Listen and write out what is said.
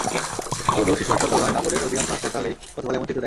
শুধু শিশু হাসপাতাল নয়, নগরের অধিকাংশ হাসপাতালেই গতকাল এমন চিত্র দেখা যায়।